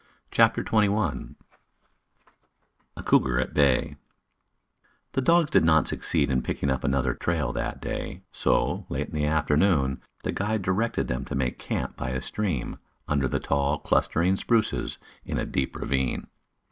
CHAPTER XXI A COUGAR AT BAY The dogs did not succeed in picking up another trail that day, so, late in the afternoon, the guide directed them to make camp by a stream, under the tall, clustering spruces in a deep ravine.